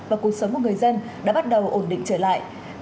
và cuộc sống của người dân đã bắt đầu ổn định trở lại